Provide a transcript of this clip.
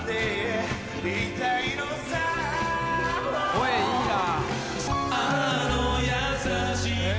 声いいな。